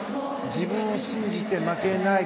自分を信じて負けない。